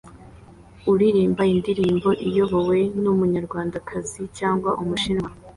uririmba indirimbo iyobowe numunyarwandakazi cyangwa umushinwa